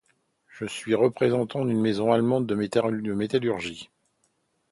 Je suis représentant d'une maison allemande de métallurgie.